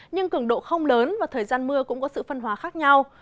nhưng cường độ không lớn và thời gian mưa cũng có sự phân hóa khác nhau